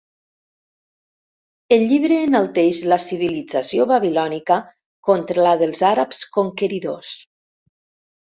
El llibre enalteix la civilització babilònica contra la dels àrabs conqueridors.